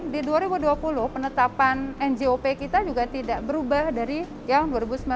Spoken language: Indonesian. di dua ribu dua puluh penetapan njop kita juga tidak berubah dari yang dua ribu sembilan belas